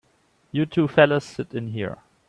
You two fellas sit in here.